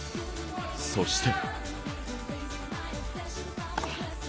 そして。